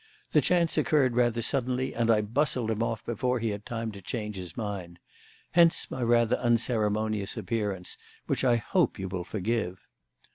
The chance occurred rather suddenly, and I bustled him off before he had time to change his mind. Hence my rather unceremonious appearance, which I hope you will forgive."